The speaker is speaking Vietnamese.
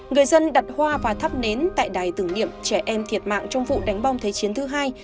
người dân đặt hoa và thắp nến tại đài tưởng niệm trẻ em thiệt mạng trong vụ đánh bom thế chiến thứ hai